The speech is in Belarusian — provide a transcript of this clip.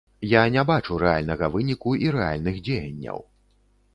Я не бачу рэальнага выніку і рэальных дзеянняў.